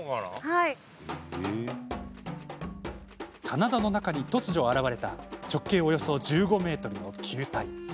棚田の中に突如、現れた直径およそ１５ｍの球体。